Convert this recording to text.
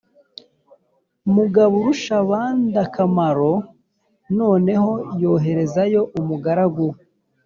mugaburushabandakamaro noneho yoherezayo umugaragu we